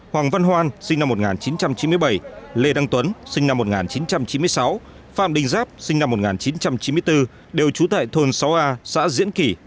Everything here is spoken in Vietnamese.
hoàng văn hoan sinh năm một nghìn chín trăm chín mươi bảy lê đăng tuấn sinh năm một nghìn chín trăm chín mươi sáu phạm đình giáp sinh năm một nghìn chín trăm chín mươi bốn đều trú tại thôn sáu a xã diễn kỳ